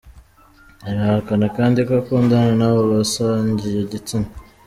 Arahakana kandi ko akundana n'abo basangiye igitsina.